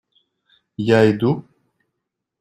Я иду.